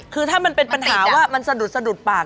คือถ้ามันเป็นปัญหาว่ามันสะดุดสะดุดปาก